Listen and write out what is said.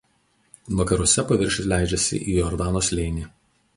Vakaruose paviršius leidžiasi į Jordano slėnį.